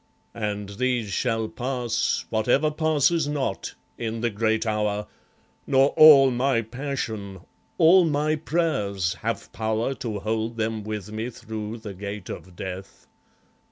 And these shall pass, Whatever passes not, in the great hour, Nor all my passion, all my prayers, have power To hold them with me through the gate of Death.